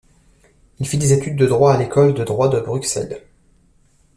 Il fit des études de droit à l’École de droit de Bruxelles.